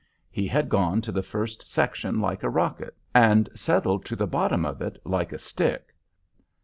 He had gone to the first section like a rocket and settled to the bottom of it like a stick.